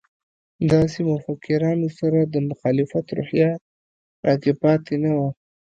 داسې مفکرانو سره د مخالفت روحیه راکې پاتې نه وه.